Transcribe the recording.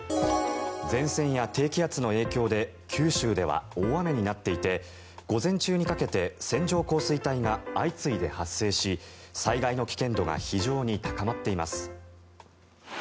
前線や低気圧の影響で九州では大雨になっていて午前中にかけて線状降水帯が相次いで発生し災害の危険度が非常に高まっています。